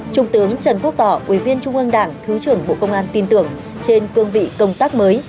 trung ương đảng thứ trưởng bộ công an tin tưởng trên cương vị công tác mới